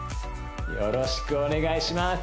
よろしくお願いします